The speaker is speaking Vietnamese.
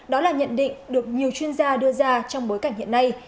đó là nhận định được nhiều chuyên gia đưa ra trong bối cảnh hiện nay